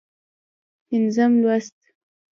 پينځم لوست